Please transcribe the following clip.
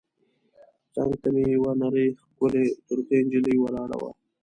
څنګ ته مې یوه نرۍ ښکلې ترکۍ نجلۍ ولاړه وه.